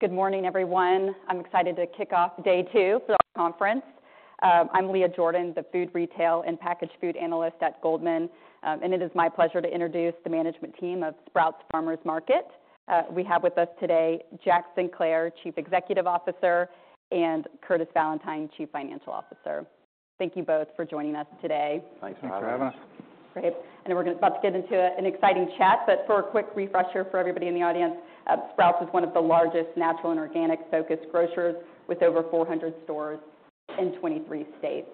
Good morning, everyone. I'm excited to kick off day two for our conference. I'm Leah Jordan, the Food Retail and Packaged Food Analyst at Goldman. And it is my pleasure to introduce the management team of Sprouts Farmers Market. We have with us today, Jack Sinclair, Chief Executive Officer, and Curtis Valentine, Chief Financial Officer. Thank you both for joining us today. Thanks for having us. Thanks for having us. Great. And we're about to get into an exciting chat, but for a quick refresher for everybody in the audience, Sprouts is one of the largest natural and organic-focused grocers, with over 400 stores in 23 states.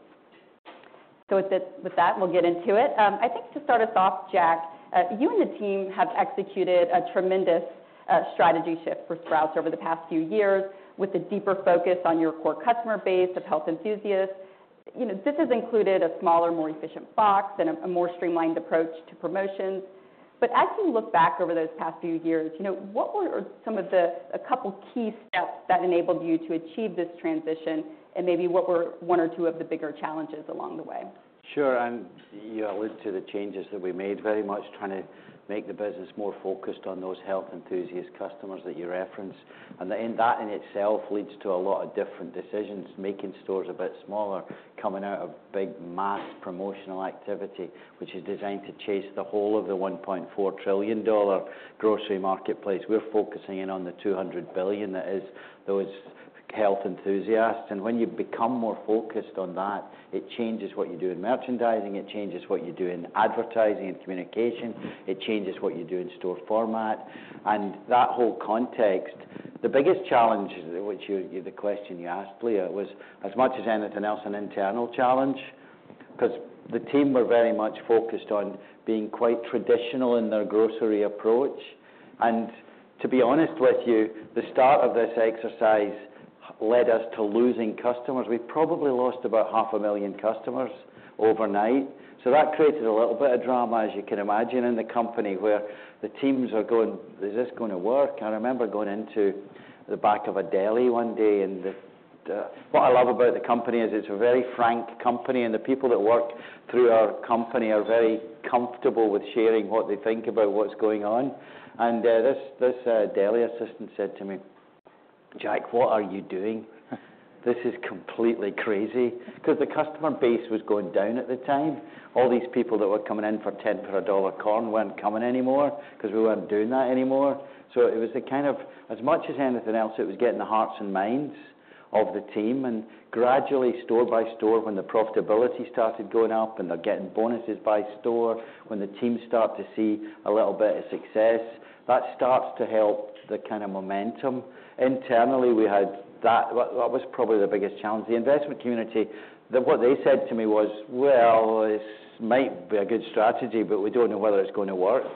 So with that, we'll get into it. I think to start us off, Jack, you and the team have executed a tremendous strategy shift for Sprouts over the past few years, with a deeper focus on your core customer base of health enthusiasts. You know, this has included a smaller, more efficient box and a more streamlined approach to promotions. But as you look back over those past few years, you know, what were some of the, a couple key steps that enabled you to achieve this transition, and maybe what were one or two of the bigger challenges along the way? Sure. And you allude to the changes that we made, very much trying to make the business more focused on those health enthusiast customers that you referenced. And then, that in itself leads to a lot of different decisions, making stores a bit smaller, coming out of big mass promotional activity, which is designed to chase the whole of the $1.4 trillion grocery marketplace. We're focusing in on the $200 billion, that is, those health enthusiasts. And when you become more focused on that, it changes what you do in merchandising, it changes what you do in advertising and communication, it changes what you do in store format. And that whole context, the biggest challenge, which, the question you asked, Leah, was, as much as anything else, an internal challenge, because the team were very much focused on being quite traditional in their grocery approach. And to be honest with you, the start of this exercise led us to losing customers. We probably lost about 500,000 customers overnight. So that created a little bit of drama, as you can imagine, in the company where the teams are going: "Is this going to work?" I remember going into the back of a deli one day. What I love about the company is it's a very frank company, and the people that work through our company are very comfortable with sharing what they think about what's going on. And this deli assistant said to me, "Jack, what are you doing? This is completely crazy." Because the customer base was going down at the time. All these people that were coming in for 10 for $1 corn weren't coming anymore, because we weren't doing that anymore. It was a kind of, as much as anything else, it was getting the hearts and minds of the team, and gradually, store by store, when the profitability started going up and they're getting bonuses by store, when the team start to see a little bit of success, that starts to help the kind of momentum. Internally, we had that. That was probably the biggest challenge. The investment community, what they said to me was, "Well, this might be a good strategy, but we don't know whether it's going to work."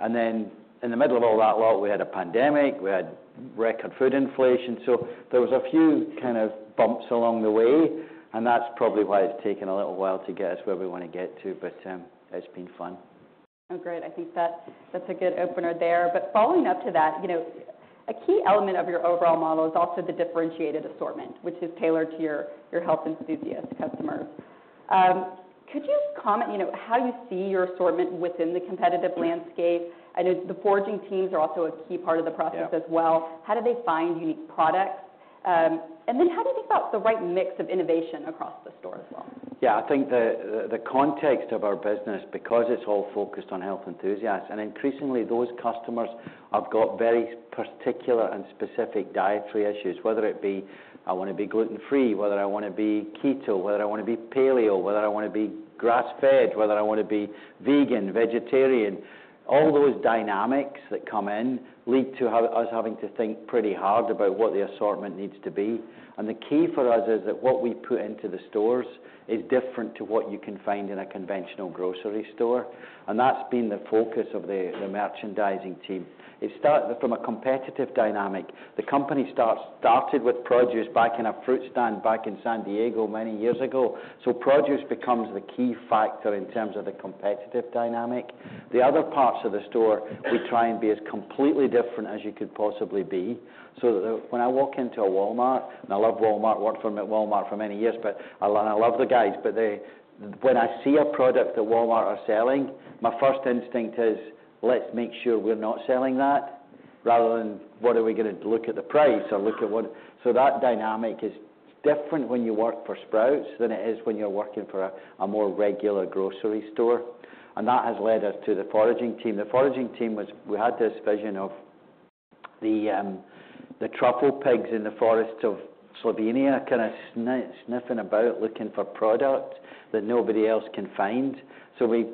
And then in the middle of all that, well, we had a pandemic, we had record food inflation, so there was a few kind of bumps along the way, and that's probably why it's taken a little while to get us where we want to get to. But it's been fun. Oh, great. I think that's, that's a good opener there. But following up to that, you know, a key element of your overall model is also the differentiated assortment, which is tailored to your, your health enthusiast customers. Could you just comment, you know, how you see your assortment within the competitive landscape? I know the foraging teams are also a key part of the process- Yeah... as well. How do they find unique products? And then how do they get the right mix of innovation across the store as well? Yeah, I think the context of our business, because it's all focused on health enthusiasts, and increasingly, those customers have got very particular and specific dietary issues, whether it be, I want to be gluten-free, whether I want to be keto, whether I want to be paleo, whether I want to be grass-fed, whether I want to be vegan, vegetarian. All those dynamics that come in lead to us having to think pretty hard about what the assortment needs to be. And the key for us is that what we put into the stores is different to what you can find in a conventional grocery store, and that's been the focus of the merchandising team. It started from a competitive dynamic. The company started with produce back in a fruit stand back in San Diego many years ago. So produce becomes the key factor in terms of the competitive dynamic. The other parts of the store, we try and be as completely different as you could possibly be. So that when I walk into a Walmart, and I love Walmart, worked for them at Walmart for many years, but I love, I love the guys, but they when I see a product that Walmart are selling, my first instinct is, Let's make sure we're not selling that, rather than, What are we gonna... Look at the price, or look at what. So that dynamic is different when you work for Sprouts than it is when you're working for a, a more regular grocery store, and that has led us to the foraging team. The foraging team was... We had this vision of the truffle pigs in the forests of Slovenia, kind of sniffing about, looking for product that nobody else can find. So we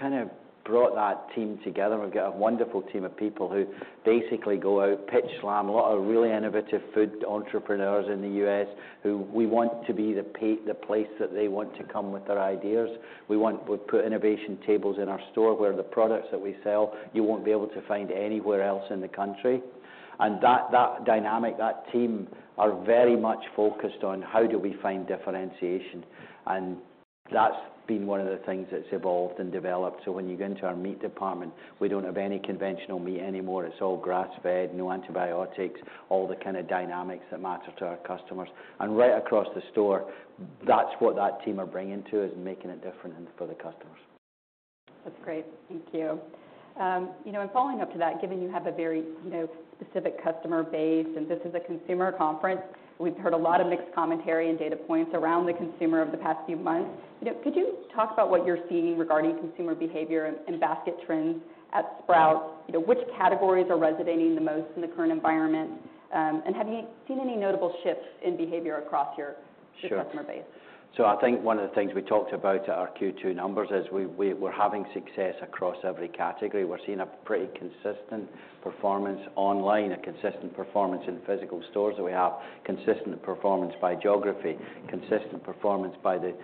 kind of brought that team together. We've got a wonderful team of people who basically go out, Pitch Slam a lot of really innovative food entrepreneurs in the U.S., who we want to be the place that they want to come with their ideas. We've put innovation tables in our store where the products that we sell, you won't be able to find anywhere else in the country. And that dynamic, that team, are very much focused on: How do we find differentiation? And that's been one of the things that's evolved and developed. So when you go into our meat department, we don't have any conventional meat anymore. It's all grass-fed, no antibiotics, all the kind of dynamics that matter to our customers, and right across the store, that's what that team are bringing to us and making it different and for the customers.... That's great. Thank you. You know, and following up to that, given you have a very, you know, specific customer base, and this is a consumer conference, we've heard a lot of mixed commentary and data points around the consumer over the past few months. You know, could you talk about what you're seeing regarding consumer behavior and, and basket trends at Sprouts? You know, which categories are resonating the most in the current environment, and have you seen any notable shifts in behavior across your- Sure - customer base? So I think one of the things we talked about at our Q2 numbers is we're having success across every category. We're seeing a pretty consistent performance online, a consistent performance in physical stores, that we have consistent performance by geography, consistent performance by the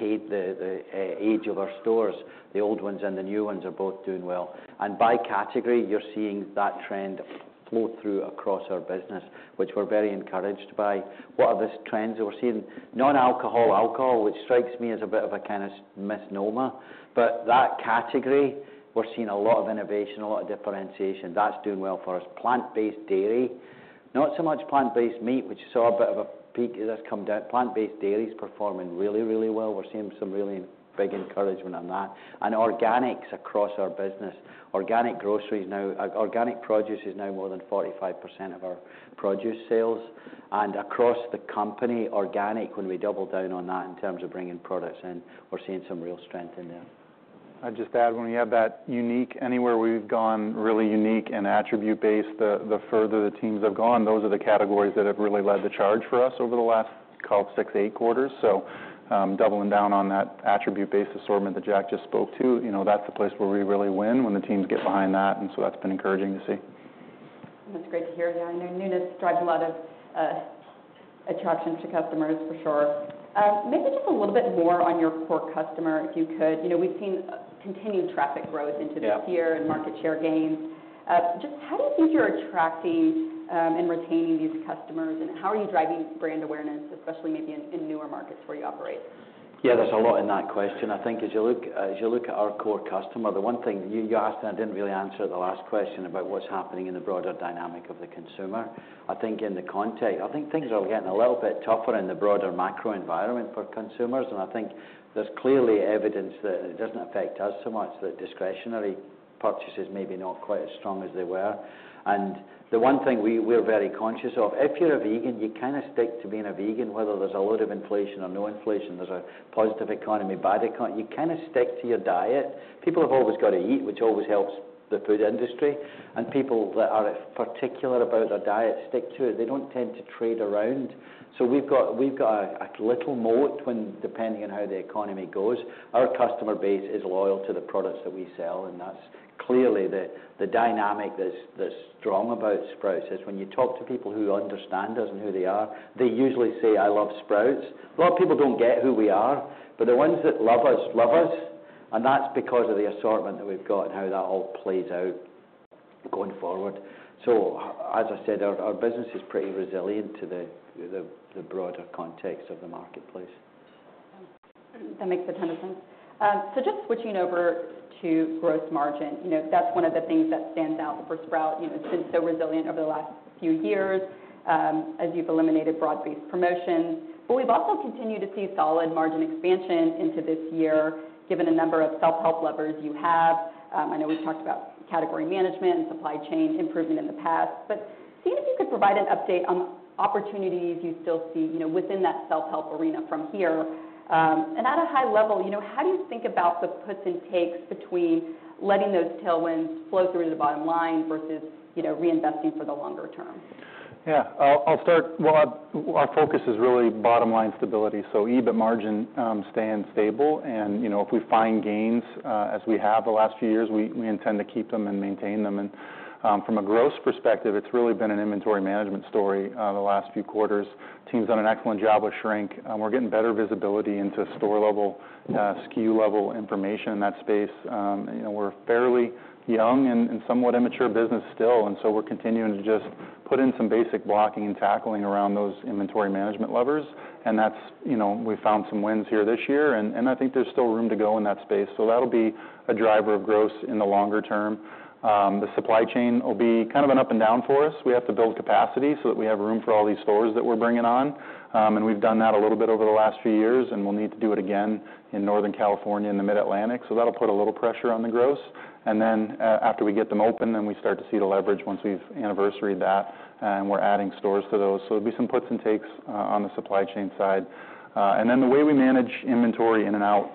age of our stores. The old ones and the new ones are both doing well. And by category, you're seeing that trend flow through across our business, which we're very encouraged by. What are the trends that we're seeing? Non-alcohol alcohol, which strikes me as a bit of a kind of misnomer, but that category, we're seeing a lot of innovation, a lot of differentiation. That's doing well for us. Plant-based dairy, not so much plant-based meat, which saw a bit of a peak that's come down. Plant-based dairy is performing really, really well. We're seeing some really big encouragement on that and organics across our business. Organic groceries now, organic produce is now more than 45% of our produce sales, and across the company, organic, when we double down on that in terms of bringing products in, we're seeing some real strength in there. I'd just add, when we have that unique... Anywhere we've gone really unique and attribute-based, the further the teams have gone, those are the categories that have really led the charge for us over the last, call it, six to eight quarters. So, doubling down on that attribute-based assortment that Jack just spoke to, you know, that's the place where we really win when the teams get behind that, and so that's been encouraging to see. That's great to hear. Yeah, I know newness drives a lot of attraction to customers for sure. Maybe just a little bit more on your core customer, if you could. You know, we've seen continued traffic growth into this- Yeah - Year and market share gains. Just how do you think you're attracting and retaining these customers, and how are you driving brand awareness, especially maybe in newer markets where you operate? Yeah, there's a lot in that question. I think as you look at our core customer, the one thing you asked, and I didn't really answer the last question about what's happening in the broader dynamic of the consumer. I think things are getting a little bit tougher in the broader macro environment for consumers, and I think there's clearly evidence that it doesn't affect us so much, that discretionary purchases may be not quite as strong as they were. And the one thing we're very conscious of, if you're a vegan, you kind of stick to being a vegan, whether there's a lot of inflation or no inflation, there's a positive economy, bad economy. You kind of stick to your diet. People have always got to eat, which always helps the food industry, and people that are particular about their diet stick to it. They don't tend to trade around. So we've got a little moat when, depending on how the economy goes, our customer base is loyal to the products that we sell, and that's clearly the dynamic that's strong about Sprouts, is when you talk to people who understand us and who they are, they usually say, "I love Sprouts." A lot of people don't get who we are, but the ones that love us, love us, and that's because of the assortment that we've got and how that all plays out going forward. So as I said, our business is pretty resilient to the broader context of the marketplace. That makes a ton of sense. So just switching over to gross margin, you know, that's one of the things that stands out for Sprouts. You know, it's been so resilient over the last few years, as you've eliminated broad-based promotions. But we've also continued to see solid margin expansion into this year, given the number of self-help levers you have. I know we've talked about category management and supply chain improvement in the past, but seeing if you could provide an update on opportunities you still see, you know, within that self-help arena from here. And at a high level, you know, how do you think about the puts and takes between letting those tailwinds flow through to the bottom line versus, you know, reinvesting for the longer term? Yeah, I'll start. Our focus is really bottom-line stability, so EBIT margin, staying stable and, you know, if we find gains, as we have the last few years, we intend to keep them and maintain them. From a growth perspective, it's really been an inventory management story, the last few quarters. Team's done an excellent job with shrink, and we're getting better visibility into store-level, SKU-level information in that space. You know, we're fairly young and somewhat immature business still, and so we're continuing to just put in some basic blocking and tackling around those inventory management levers. That's, you know, we've found some wins here this year, and I think there's still room to go in that space. That'll be a driver of growth in the longer term. The supply chain will be kind of an up and down for us. We have to build capacity so that we have room for all these stores that we're bringing on, and we've done that a little bit over the last few years, and we'll need to do it again in Northern California and the Mid-Atlantic, so that'll put a little pressure on the growth, and then, after we get them open, then we start to see the leverage once we've anniversaried that, and we're adding stores to those, so it'll be some puts and takes on the supply chain side. And then the way we manage inventory in and out,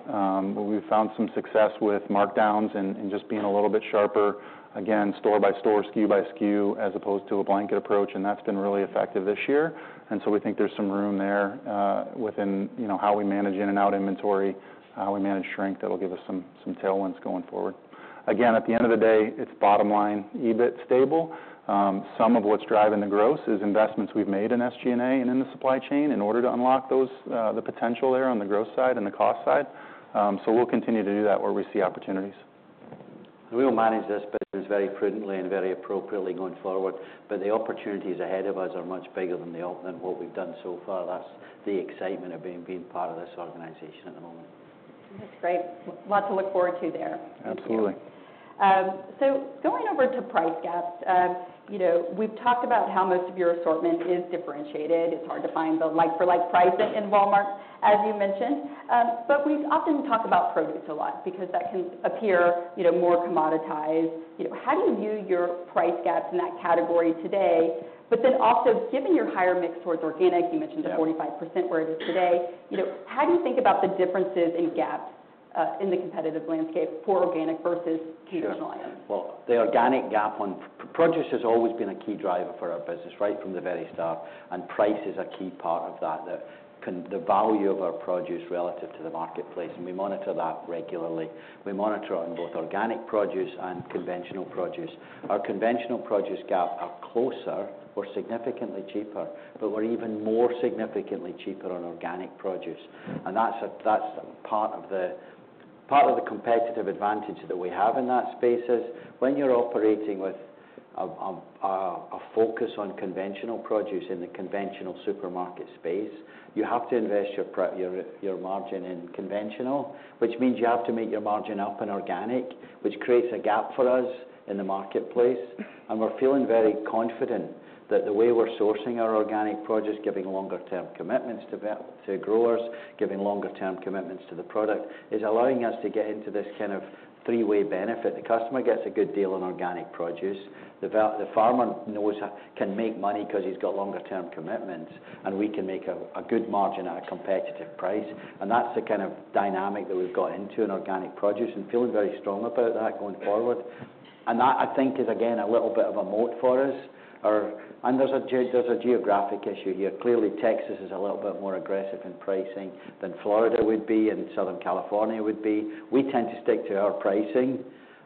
we've found some success with markdowns and just being a little bit sharper, again, store by store, SKU by SKU, as opposed to a blanket approach, and that's been really effective this year. And so we think there's some room there, within, you know, how we manage in and out inventory, how we manage shrink. That'll give us some tailwinds going forward. Again, at the end of the day, it's bottom line, EBIT stable. Some of what's driving the growth is investments we've made in SG&A and in the supply chain in order to unlock those, the potential there on the growth side and the cost side. So we'll continue to do that where we see opportunities. We'll manage this business very prudently and very appropriately going forward, but the opportunities ahead of us are much bigger than what we've done so far. That's the excitement of being part of this organization at the moment. That's great. Lot to look forward to there. Absolutely.... So going over to price gaps, you know, we've talked about how most of your assortment is differentiated. It's hard to find the like-for-like pricing in Walmart, as you mentioned. But we've often talked about produce a lot because that can appear, you know, more commoditized. You know, how do you view your price gaps in that category today? But then also, given your higher mix towards organic, you mentioned the 45% where it is today, you know, how do you think about the differences in gaps in the competitive landscape for organic versus conventional items? Sure. Well, the organic gap on produce has always been a key driver for our business, right from the very start, and price is a key part of that, the value of our produce relative to the marketplace, and we monitor that regularly. We monitor on both organic produce and conventional produce. Our conventional produce gap are closer or significantly cheaper, but we're even more significantly cheaper on organic produce, and that's part of the competitive advantage that we have in that space is, when you're operating with a focus on conventional produce in the conventional supermarket space, you have to invest your margin in conventional, which means you have to make your margin up in organic, which creates a gap for us in the marketplace. And we're feeling very confident that the way we're sourcing our organic produce, giving longer term commitments to growers, giving longer term commitments to the product, is allowing us to get into this kind of three-way benefit. The customer gets a good deal on organic produce, the farmer knows he can make money because he's got longer term commitments, and we can make a good margin at a competitive price. And that's the kind of dynamic that we've got into in organic produce and feeling very strong about that going forward. And that, I think, is again a little bit of a moat for us. And there's a geographic issue here. Clearly, Texas is a little bit more aggressive in pricing than Florida would be and Southern California would be. We tend to stick to our pricing,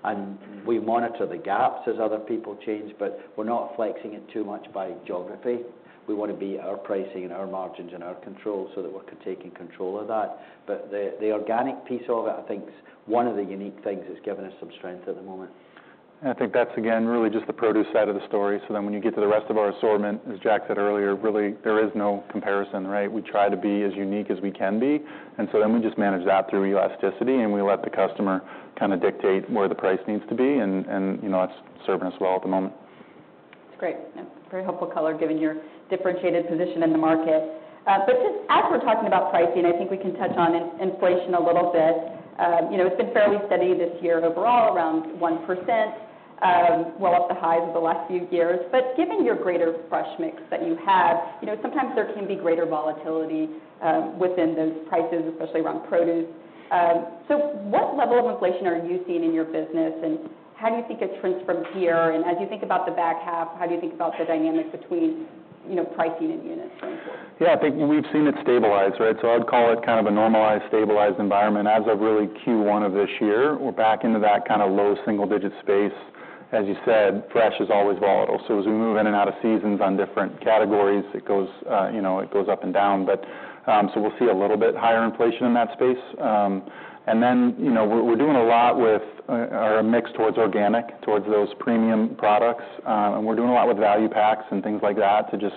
and we monitor the gaps as other people change, but we're not flexing it too much by geography. We want to be our pricing and our margins and our control, so that we're taking control of that. But the organic piece of it, I think, is one of the unique things that's given us some strength at the moment. I think that's again, really just the produce side of the story. So then when you get to the rest of our assortment, as Jack said earlier, really, there is no comparison, right? We try to be as unique as we can be, and so then we just manage that through elasticity, and we let the customer kind of dictate where the price needs to be, and you know, that's serving us well at the moment. That's great. Very helpful color, given your differentiated position in the market. But just as we're talking about pricing, I think we can touch on inflation a little bit. You know, it's been fairly steady this year, overall, around 1%, well off the highs of the last few years. But given your greater fresh mix that you have, you know, sometimes there can be greater volatility within those prices, especially around produce. So what level of inflation are you seeing in your business, and how do you think it trends from here? And as you think about the back half, how do you think about the dynamics between, you know, pricing and unit trends? Yeah, I think we've seen it stabilize, right? So I'd call it kind of a normalized, stabilized environment. As of really Q1 of this year, we're back into that kind of low single digit space. As you said, fresh is always volatile. So as we move in and out of seasons on different categories, it goes, you know, it goes up and down. But so we'll see a little bit higher inflation in that space. And then, you know, we're doing a lot with our mix towards organic, towards those premium products, and we're doing a lot with value packs and things like that to just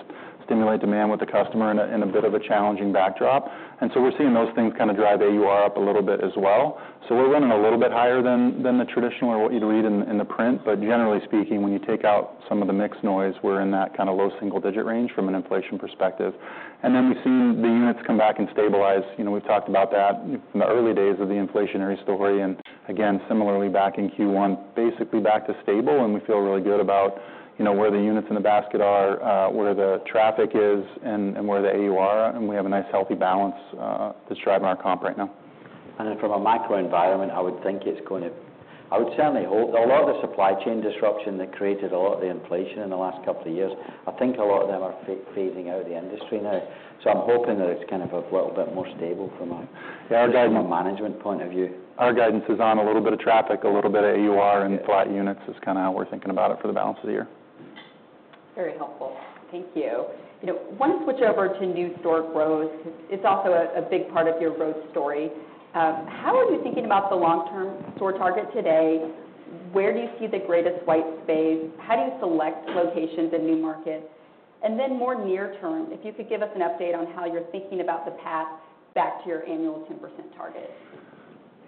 stimulate demand with the customer in a bit of a challenging backdrop. And so we're seeing those things kind of drive AUR up a little bit as well. So we're running a little bit higher than the traditional what you'd read in the print, but generally speaking, when you take out some of the mix noise, we're in that kind of low single digit range from an inflation perspective. And then we've seen the units come back and stabilize. You know, we've talked about that from the early days of the inflationary story, and again, similarly, back in Q1, basically back to stable, and we feel really good about, you know, where the units in the basket are, where the traffic is, and where the AUR are, and we have a nice, healthy balance, that's driving our comp right now. And then from a macro environment, I would think it's going to. I would certainly hope. A lot of the supply chain disruption that created a lot of the inflation in the last couple of years, I think a lot of them are fading out in the industry now. So I'm hoping that it's kind of a little bit more stable from a- Yeah, our guide- From a management point of view. Our guidance is on a little bit of traffic, a little bit of AUR, and flat units is kind of how we're thinking about it for the balance of the year. Very helpful. Thank you. You know, I want to switch over to new store growth. It's also a big part of your growth story. How are you thinking about the long-term store target today? Where do you see the greatest white space? How do you select locations in new markets? And then more near term, if you could give us an update on how you're thinking about the path back to your annual 10% target.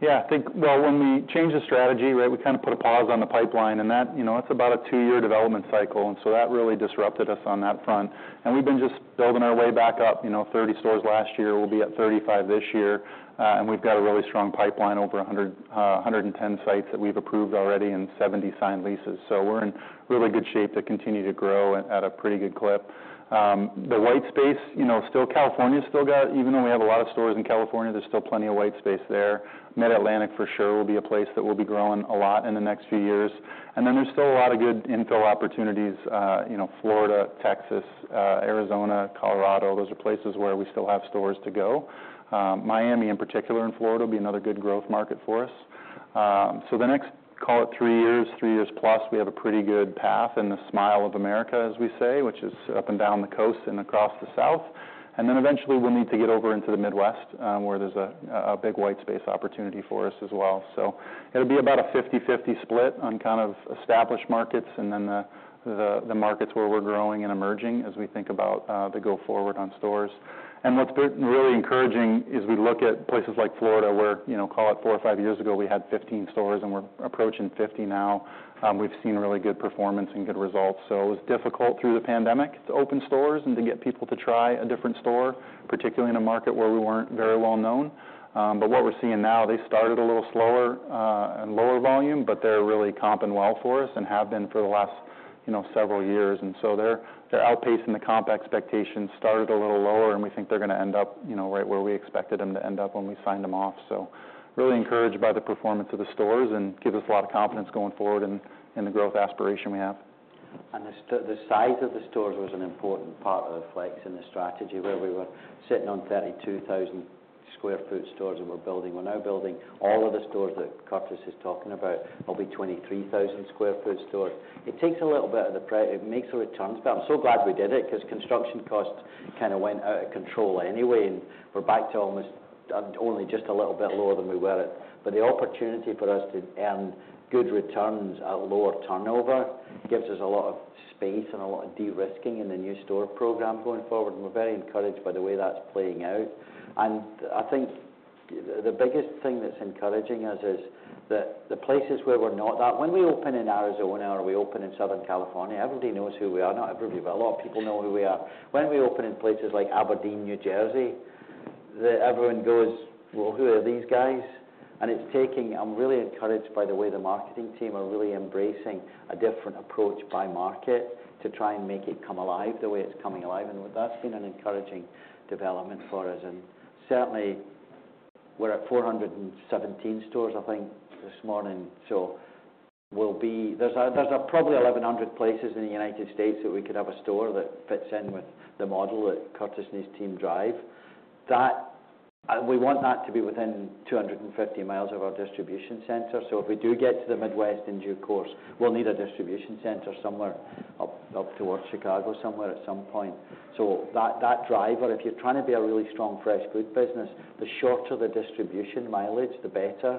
Yeah, I think. Well, when we changed the strategy, right, we kind of put a pause on the pipeline, and that, you know, it's about a two-year development cycle, and so that really disrupted us on that front, and we've been just building our way back up, you know, 30 stores last year, we'll be at 35 this year, and we've got a really strong pipeline, over 110 sites that we've approved already and 70 signed leases, so we're in really good shape to continue to grow at a pretty good clip. The white space, you know, still, California's still got even though we have a lot of stores in California, there's still plenty of white space there. Mid-Atlantic, for sure, will be a place that we'll be growing a lot in the next few years. And then there's still a lot of good infill opportunities, you know, Florida, Texas, Arizona, Colorado, those are places where we still have stores to go. Miami, in particular, in Florida, will be another good growth market for us. So the next, call it three years, three years plus, we have a pretty good path in the smile of America, as we say, which is up and down the coast and across the south. And then eventually, we'll need to get over into the Midwest, where there's a big white space opportunity for us as well. So it'll be about a fifty-fifty split on kind of established markets and then the markets where we're growing and emerging as we think about the go forward on stores. What's been really encouraging is we look at places like Florida, where, you know, call it four or five years ago, we had 15 stores, and we're approaching 50 now. We've seen really good performance and good results. It was difficult through the pandemic to open stores and to get people to try a different store, particularly in a market where we weren't very well known. But what we're seeing now, they started a little slower and lower volume, but they're really comping well for us and have been for the last, you know, several years. They're outpacing the comp expectations, started a little lower, and we think they're gonna end up, you know, right where we expected them to end up when we signed them off. So really encouraged by the performance of the stores and gives us a lot of confidence going forward in, in the growth aspiration we have. The size of the stores was an important part of the flex in the strategy, where we were sitting on 32,000 sq ft stores, and we're now building all of the stores that Curtis is talking about. They'll be 23,000 sq ft stores. It makes the returns, but I'm so glad we did it because construction costs kind of went out of control anyway, and we're back to almost only just a little bit lower than we were at. But the opportunity for us to earn good returns at lower turnover gives us a lot of space and a lot of de-risking in the new store program going forward, and we're very encouraged by the way that's playing out. And I think the biggest thing that's encouraging us is that the places where we're not at, when we open in Arizona or we open in Southern California, everybody knows who we are, not everybody, but a lot of people know who we are. When we open in places like Aberdeen, New Jersey, everyone goes, "Well, who are these guys?" And it's taking... I'm really encouraged by the way the marketing team are really embracing a different approach by market to try and make it come alive the way it's coming alive, and that's been an encouraging development for us. And certainly, we're at 417 stores, I think, this morning. So we'll be. There's probably 1,100 places in the United States that we could have a store that fits in with the model that Curtis and his team drive. That we want that to be within 250 miles of our distribution center. So if we do get to the Midwest in due course, we'll need a distribution center somewhere up towards Chicago, somewhere at some point. So that driver, if you're trying to be a really strong fresh food business, the shorter the distribution mileage, the better.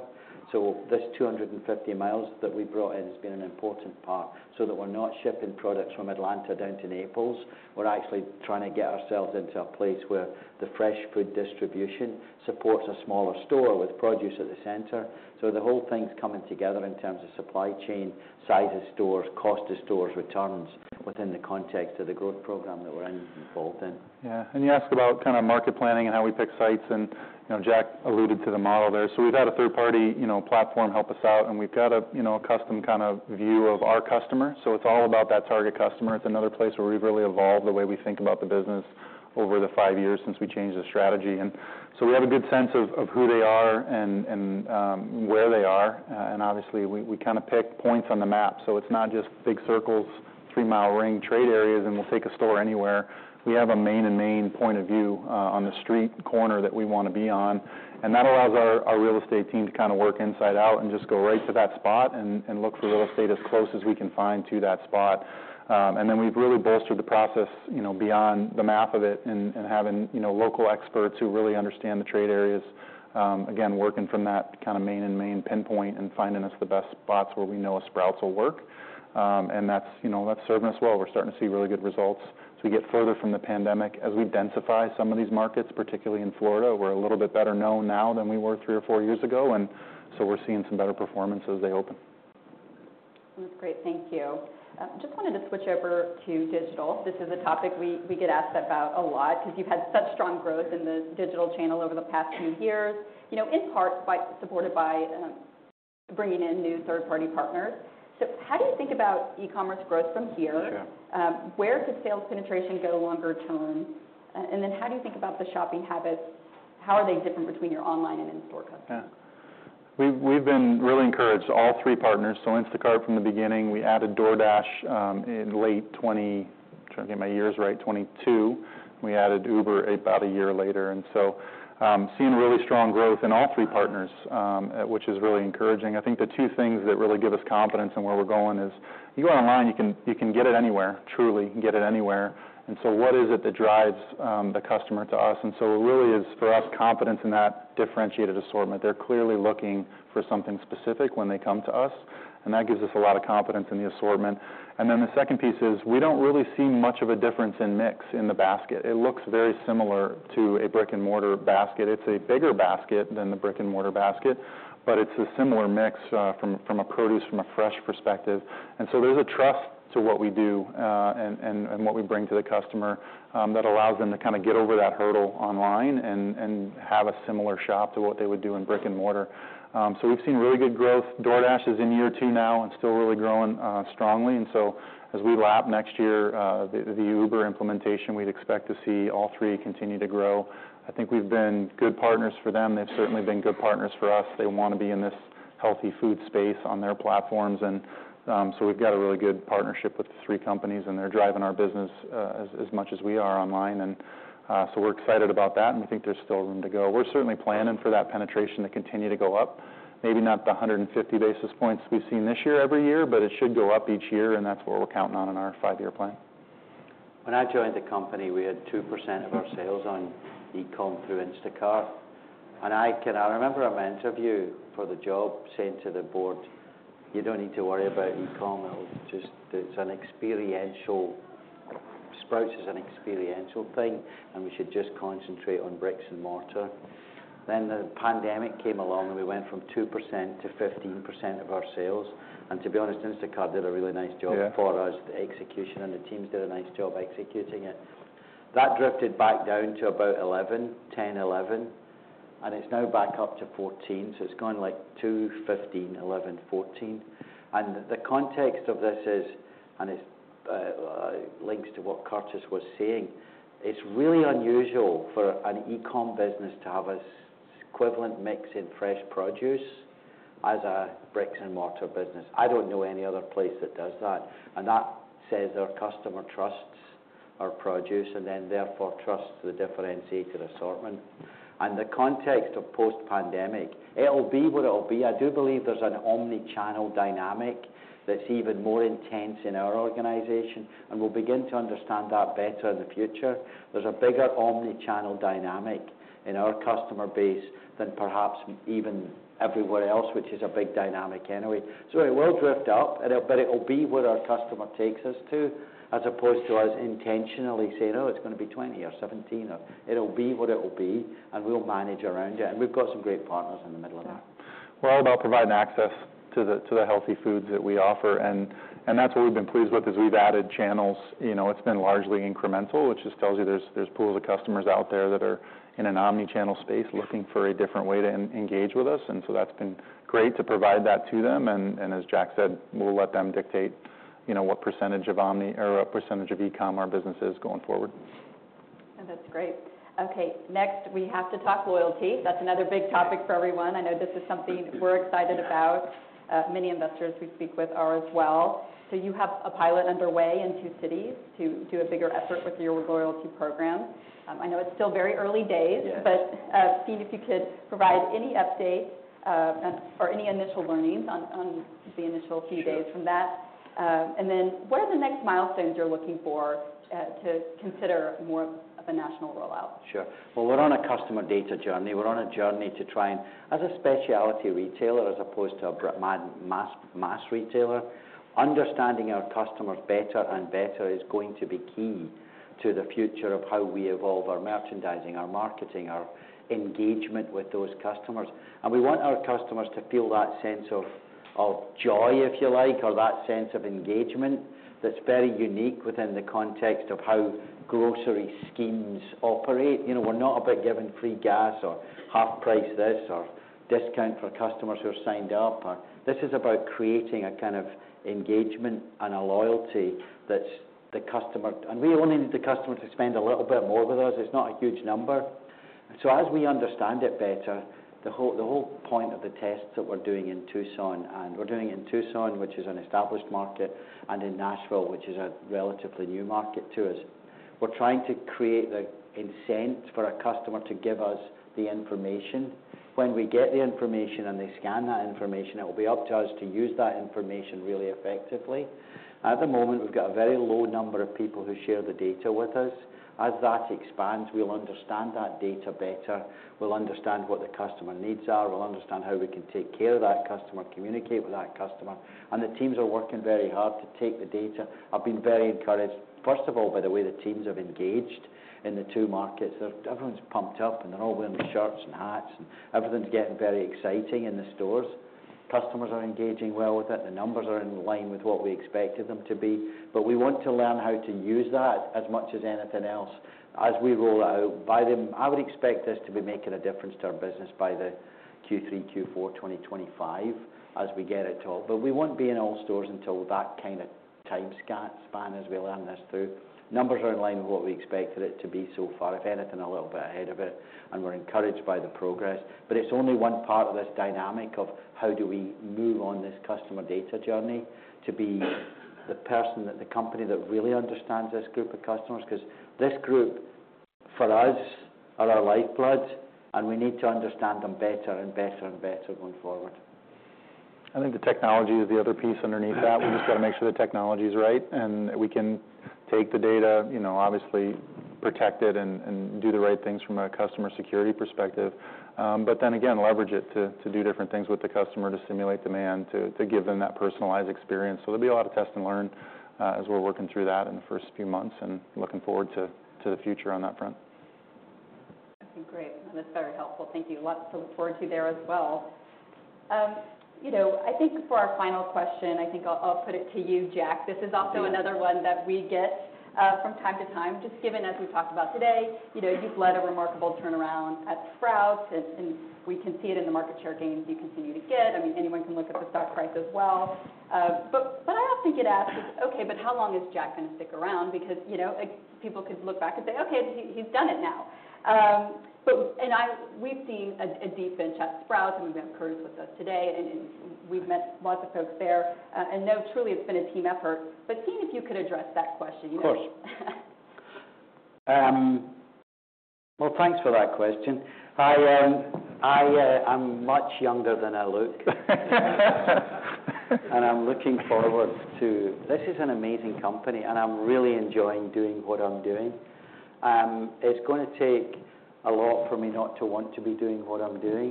So this 250 miles that we brought in has been an important part, so that we're not shipping products from Atlanta down to Naples. We're actually trying to get ourselves into a place where the fresh food distribution supports a smaller store with produce at the center. So the whole thing's coming together in terms of supply chain, size of stores, cost of stores, returns within the context of the growth program that we're involved in. Yeah, and you asked about kind of market planning and how we pick sites, and, you know, Jack alluded to the model there. So we've had a third party, you know, platform help us out, and we've got a, you know, a custom kind of view of our customer. So it's all about that target customer. It's another place where we've really evolved the way we think about the business over the five years since we changed the strategy. And so we have a good sense of who they are and where they are. And obviously, we kind of pick points on the map, so it's not just big circles, three-mile ring trade areas, and we'll take a store anywhere. We have a Main and Main point of view on the street corner that we want to be on, and that allows our real estate team to kind of work inside out and just go right to that spot and look for real estate as close as we can find to that spot. And then we've really bolstered the process, you know, beyond the map of it and having, you know, local experts who really understand the trade areas, again, working from that kind of Main and Main pinpoint and finding us the best spots where we know a Sprouts will work. And that's, you know, that's serving us well. We're starting to see really good results. As we get further from the pandemic, as we densify some of these markets, particularly in Florida, we're a little bit better known now than we were three or four years ago, and so we're seeing some better performance as they open. That's great. Thank you. Just wanted to switch over to digital. This is a topic we get asked about a lot because you've had such strong growth in the digital channel over the past few years, you know, in part by, supported by, bringing in new third-party partners. So how do you think about e-commerce growth from here? Sure. Where could sales penetration go longer term? And then how do you think about the shopping habits? How are they different between your online and in-store customers? Yeah. We've been really encouraged, all three partners. So Instacart from the beginning, we added DoorDash in late 2022. We added Uber about a year later, and so seeing really strong growth in all three partners, which is really encouraging. I think the two things that really give us confidence in where we're going is, you go online, you can get it anywhere, truly, you can get it anywhere. And so what is it that drives the customer to us? And so it really is, for us, confidence in that differentiated assortment. They're clearly looking for something specific when they come to us, and that gives us a lot of confidence in the assortment. And then the second piece is, we don't really see much of a difference in mix in the basket. It looks very similar to a brick-and-mortar basket. It's a bigger basket than the brick-and-mortar basket, but it's a similar mix from a produce from a fresh perspective. And so there's a trust to what we do, and what we bring to the customer, that allows them to kind of get over that hurdle online and have a similar shop to what they would do in brick-and-mortar. So we've seen really good growth. DoorDash is in year two now and still really growing strongly. And so as we lap next year, the Uber implementation, we'd expect to see all three continue to grow. I think we've been good partners for them. They've certainly been good partners for us. They want to be in this healthy food space on their platforms, and, so we've got a really good partnership with the three companies, and they're driving our business, as much as we are online. And, so we're excited about that, and we think there's still room to go. We're certainly planning for that penetration to continue to go up. Maybe not the 150 basis points we've seen this year, every year, but it should go up each year, and that's what we're counting on in our five-year plan. When I joined the company, we had 2% of our sales on e-com through Instacart. And I remember an interview for the job, saying to the board, "You don't need to worry about e-com. It'll just-- It's an experiential-- Sprouts is an experiential thing, and we should just concentrate on bricks and mortar." Then the pandemic came along, and we went from 2% to 15% of our sales. And to be honest, Instacart did a really nice job- Yeah For us, the execution, and the teams did a nice job executing it. That drifted back down to about 11, 10, 11, and it's now back up to 14. So it's gone like two, 15, 11, 14. And the context of this is, and it links to what Curtis was saying. It's really unusual for an e-com business to have as equivalent mix in fresh produce as a bricks-and-mortar business. I don't know any other place that does that, and that says our customer trusts our produce and then therefore, trusts the differentiated assortment. And the context of post-pandemic, it'll be what it'll be. I do believe there's an omni-channel dynamic that's even more intense in our organization, and we'll begin to understand that better in the future. There's a bigger omni-channel dynamic in our customer base than perhaps even everywhere else, which is a big dynamic anyway. So it will drift up, and, but it will be where our customer takes us to, as opposed to us intentionally saying, "Oh, it's going to be twenty or seventeen or..." It'll be what it will be, and we'll manage around it. And we've got some great partners in the middle of that. About providing access to the healthy foods that we offer, and that's what we've been pleased with. As we've added channels, you know, it's been largely incremental, which just tells you there's pools of customers out there that are in an omni-channel space looking for a different way to engage with us. And so that's been great to provide that to them, and as Jack said, we'll let them dictate, you know, what percentage of omni or percentage of e-com our business is going forward. That's great. Okay, next, we have to talk loyalty. That's another big topic for everyone. I know this is something we're excited about. Many investors we speak with are as well. So you have a pilot underway in two cities to a bigger effort with your loyalty program. I know it's still very early days- Yeah - but, see if you could provide any update, or any initial learnings on the initial key- Sure -days from that, and then what are the next milestones you're looking for, to consider more of a national rollout? Sure. Well, we're on a customer data journey. We're on a journey to try and, as a specialty retailer, as opposed to a broad mass retailer, understanding our customers better and better is going to be key to the future of how we evolve our merchandising, our marketing, our engagement with those customers. And we want our customers to feel that sense of joy, if you like, or that sense of engagement that's very unique within the context of how grocery schemes operate. You know, we're not about giving free gas or half price this, or discount for customers who are signed up or. This is about creating a kind of engagement and a loyalty that's the customer. And we only need the customer to spend a little bit more with us. It's not a huge number. So as we understand it better, the whole, the whole point of the tests that we're doing in Tucson, and we're doing it in Tucson, which is an established market, and in Nashville, which is a relatively new market to us. We're trying to create the incentive for a customer to give us the information. When we get the information and they scan that information, it will be up to us to use that information really effectively. At the moment, we've got a very low number of people who share the data with us. As that expands, we'll understand that data better, we'll understand what the customer needs are, we'll understand how we can take care of that customer, communicate with that customer, and the teams are working very hard to take the data. I've been very encouraged, first of all, by the way the teams have engaged in the two markets. Everyone's pumped up, and they're all wearing the shirts and hats, and everything's getting very exciting in the stores. Customers are engaging well with it. The numbers are in line with what we expected them to be, but we want to learn how to use that as much as anything else as we roll out. I would expect this to be making a difference to our business by the Q3, Q4, 2025 as we get it to all, but we won't be in all stores until that kind of time span, as we learn this through. Numbers are in line with what we expected it to be so far, if anything, a little bit ahead of it, and we're encouraged by the progress. But it's only one part of this dynamic of how do we move on this customer data journey to be the person, that the company that really understands this group of customers. Because this group, for us, are our lifeblood, and we need to understand them better and better and better going forward. I think the technology is the other piece underneath that. We've just got to make sure the technology is right, and we can take the data, you know, obviously protect it and do the right things from a customer security perspective. But then again, leverage it to do different things with the customer to simulate demand, to give them that personalized experience. So there'll be a lot of test and learn as we're working through that in the first few months and looking forward to the future on that front. Great. That's very helpful. Thank you. Lots to look forward to there as well. You know, I think for our final question, I think I'll put it to you, Jack. Yeah. This is also another one that we get from time to time, just given, as we talked about today, you know, you've led a remarkable turnaround at Sprouts, and we can see it in the market share gains you continue to get. I mean, anyone can look at the stock price as well. But I often get asked: Okay, but how long is Jack going to stick around? Because, you know, people could look back and say, "Okay, he's done it now..." But, and I, we've seen a deep bench at Sprouts, and we've got Curtis with us today, and we've met lots of folks there, and know truly it's been a team effort. But seeing if you could address that question, you know? Of course. Well, thanks for that question. I’m much younger than I look, and I’m looking forward to... This is an amazing company, and I’m really enjoying doing what I’m doing. It’s gonna take a lot for me not to want to be doing what I’m doing,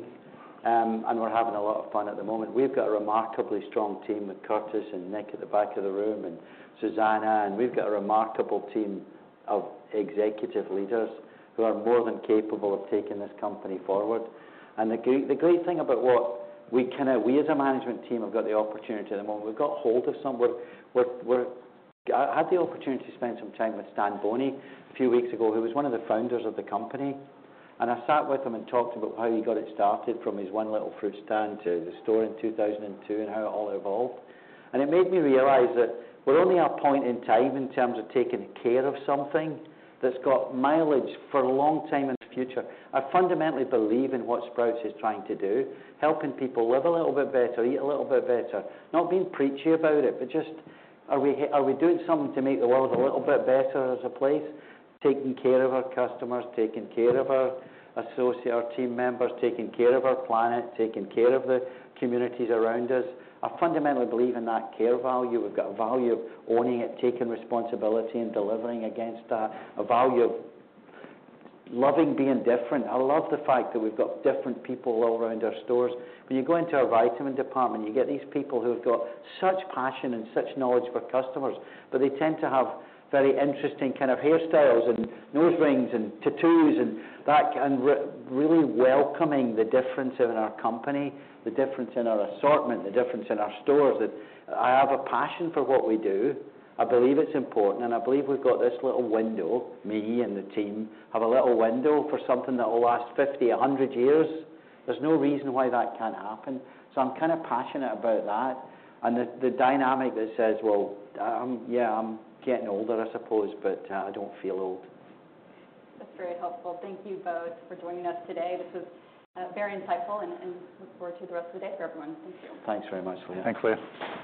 and we’re having a lot of fun at the moment. We’ve got a remarkably strong team with Curtis and Nick at the back of the room, and Susanna, and we’ve got a remarkable team of executive leaders who are more than capable of taking this company forward, and the great thing about what we as a management team have got the opportunity at the moment. I had the opportunity to spend some time with Stan Boney a few weeks ago, who was one of the founders of the company. And I sat with him and talked about how he got it started from his one little fruit stand to the store in 2002, and how it all evolved. And it made me realize that we're only at a point in time in terms of taking care of something that's got mileage for a long time in the future. I fundamentally believe in what Sprouts is trying to do, helping people live a little bit better, eat a little bit better. Not being preachy about it, but just, are we doing something to make the world a little bit better as a place? Taking care of our customers, taking care of our associate, our team members, taking care of our planet, taking care of the communities around us. I fundamentally believe in that care value. We've got a value of owning it, taking responsibility, and delivering against that. A value of loving being different. I love the fact that we've got different people all around our stores. When you go into our vitamin department, you get these people who have got such passion and such knowledge for customers, but they tend to have very interesting kind of hairstyles and nose rings and tattoos, and that, and really welcoming the difference in our company, the difference in our assortment, the difference in our stores. That I have a passion for what we do. I believe it's important, and I believe we've got this little window, me and the team, have a little window for something that will last fifty, a hundred years. There's no reason why that can't happen. So I'm kind of passionate about that and the dynamic that says, Well, yeah, I'm getting older, I suppose, but, I don't feel old. That's very helpful. Thank you both for joining us today. This was very insightful, and look forward to the rest of the day for everyone. Thank you. Thanks very much, Leah. Thanks, Leah.